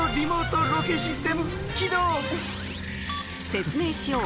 説明しよう！